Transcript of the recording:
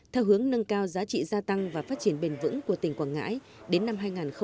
theo hướng nâng cao giá trị gia tăng và phát triển bền vững của tỉnh quảng ngãi đến năm hai nghìn ba mươi